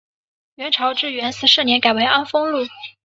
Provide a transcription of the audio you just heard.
元朝至元十四年改为安丰路。